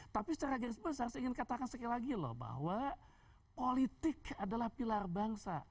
tapi secara garis besar saya ingin katakan sekali lagi loh bahwa politik adalah pilar bangsa